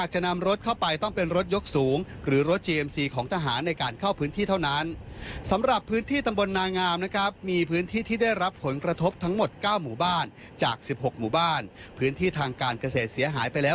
จากสิบหกหมู่บ้านพื้นที่ทางการเกษตรเสียหายไปแล้ว